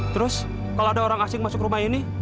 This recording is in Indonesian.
terus kalau ada orang asing masuk rumah ini